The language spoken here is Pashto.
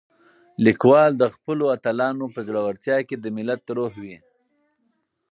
لیکوال د خپلو اتلانو په زړورتیا کې د ملت روح وینه.